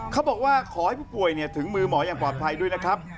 ขอให้ผู้ป่วยถึงมือหมออย่างปลอดภัยด้วยนะครับ